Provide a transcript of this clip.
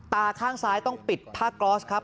ตาข้างซ้ายต้องปิดผ้าก๊อสครับ